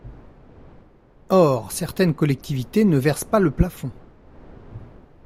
Or, certaines collectivités ne versent pas le plafond.